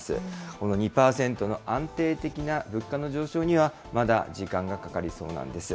この２％の安定的な物価の上昇には、まだ時間がかかりそうなんです。